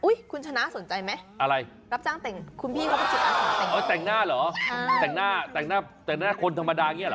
อุ๊ยคุณชนะสนใจไหมรับจ้างแต่งคุณพี่เขาเป็นจิตอาสารแต่งหน้าเหรอแต่งหน้าคนธรรมดาอย่างนี้เหรอ